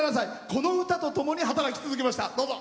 この歌とともに働き続けました。